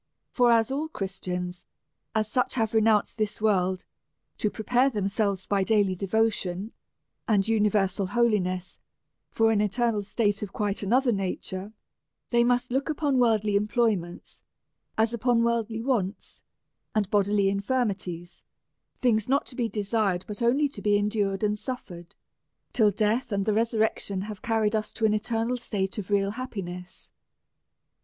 For as all Christians, as such, have re nounced this world, to prepare themselves, by daily devotion and universal holiness, for an eternal state of quite another nature, they must look upon worldly employments as upon worldly wants and bodily in firmities ; things not to be desired, but only to be en dured and suffered, till death and the resurrection iiave carried us to an eternal state of real happiness.